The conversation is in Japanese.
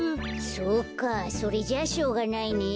そうかそれじゃあしょうがないね。